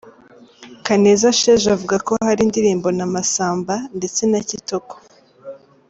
Kaneza Sheja avuga ko hari indirimbo na Masamba ndetse na Kitoko.